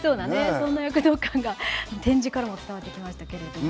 そんな躍動感が展示からも伝わってきましたけれども。